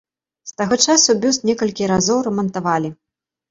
З таго часу бюст некалькі разоў рамантавалі.